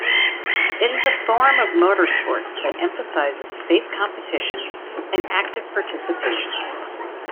It is a form of motorsports that emphasizes safe competition and active participation.